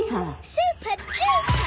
スーパードゥーパー！